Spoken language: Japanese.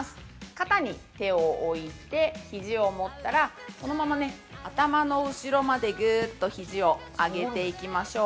肩に手を置いてひじを持ったらそのまま頭の後ろまでぐうっとひじを上げていきましょう。